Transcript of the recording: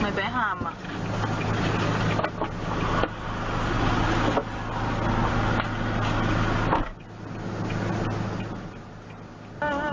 ทำไมหามา